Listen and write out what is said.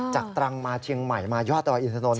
ตรังมาเชียงใหม่มายอดดอยอินทนนท